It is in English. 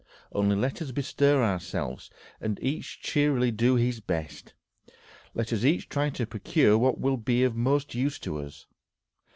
Only let us bestir ourselves, and each cheerily do his best. Let each try to procure what will be of most use to us."...